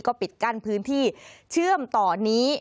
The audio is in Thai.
ก็ปิดกั้นพื้นที่เชื่อมต่อนี้